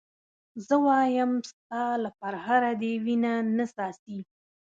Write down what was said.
زه وایم ستا له پرهره دې وینه نه څاڅي.